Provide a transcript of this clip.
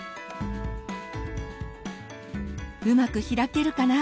うまく開けるかな？